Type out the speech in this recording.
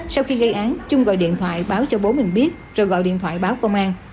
sau khi gây án trung gọi điện thoại báo cho bố mình biết rồi gọi điện thoại báo công an